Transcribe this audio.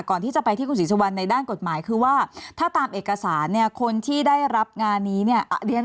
ก่อนที่จะไปที่คุณศรีสุวรรณในด้านกฎหมายคือว่าถ้าตามเอกสารเนี่ยคนที่ได้รับงานนี้เนี่ย